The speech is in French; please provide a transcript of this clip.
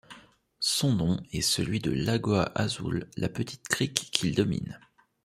Son nom est celui de Lagoa Azul, la petite crique qu'il domine.